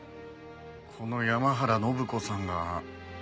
この山原展子さんが？